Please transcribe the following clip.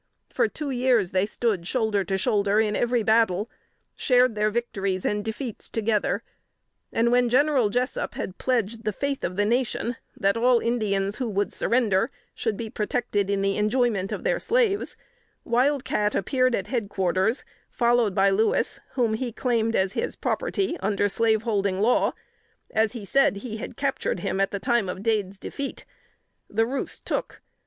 For two years, they stood shoulder to shoulder in every battle; shared their victories and defeats together; and when General Jessup had pledged the faith of the nation that all Indians who would surrender should be protected in the enjoyment of their slaves, Wild Cat appeared at head quarters, followed by Louis, whom he claimed as his property, under slaveholding law, as he said he had captured him at the time of Dade's defeat. The ruse took.